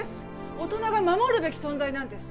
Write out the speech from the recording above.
大人が守るべき存在なんです